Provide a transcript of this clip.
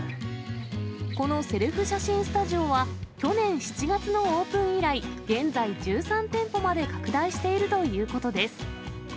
このセルフ写真スタジオは、去年７月のオープン以来、現在、１３店舗まで拡大しているということです。